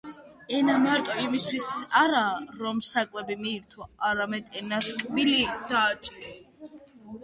ენა მარტო იმისთვის არაა რომ სასაკვები მიირთვა, არამედ ენას კბილი დააჭირო.